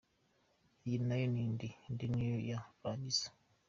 Iyi nayo ni indi “denial” ya rurangiza.